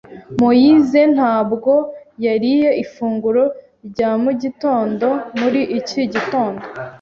Moise ntabwo yariye ifunguro rya mu gitondo muri iki gitondo.